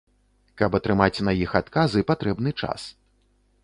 Каб атрымаць на іх адказы, патрэбны час.